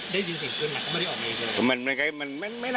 ได้ยินเสียงเปลือนหนัดก็ไม่ได้ออกมาอีกเลยครับ